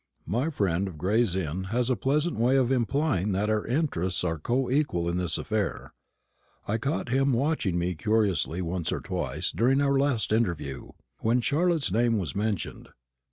My friend of Gray's Inn has a pleasant way of implying that our interests are coequal in this affair. I caught him watching me curiously once or twice during our last interview, when Charlotte's name was mentioned.